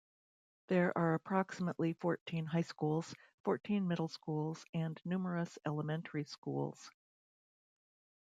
There are approximately fourteen high schools, fourteen middle schools, and numerous elementary schools.